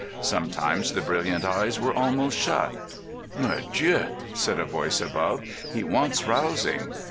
Sometimes the brilliant eyes were almost shut. "Mordieu!" said a voice above. "He wants rousing."